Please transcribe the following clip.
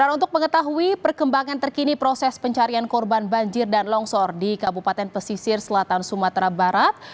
untuk mengetahui perkembangan terkini proses pencarian korban banjir dan longsor di kabupaten pesisir selatan sumatera barat